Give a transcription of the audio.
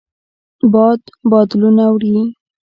باد بادلونه وړي